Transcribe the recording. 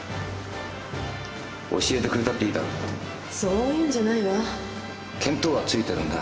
教えてくれたっていいだろそういうんじゃないわ見当はついてるんだ。